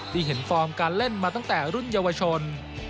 ที่เห็นฟอร์มการเล่นมาตั้งแต่รุ่นเยาวชน